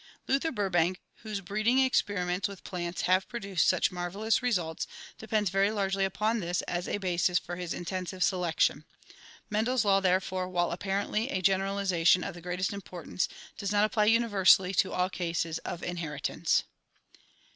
Luther Burbank, whose breed ing experiments with plants have produced such marvelous re sults, depends very largely upon this as a basis for his intensive selection. Mendel's law, therefore, while apparently a generalization of the greatest importance, does not apply universally to all cases of in heritance. References Brooks, W. K.